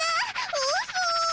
うそ！